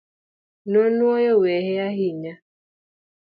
Nonuoyo wehe ahinya